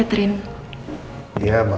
dia tuh pengen curi habis lima year